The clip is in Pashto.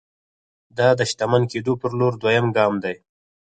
دا د شتمن کېدو پر لور دویم ګام دی